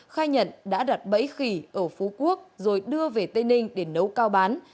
khai nhận đã đặt bẫy khỉ ở phú quốc rồi đưa về tây ninh để nấu cao bán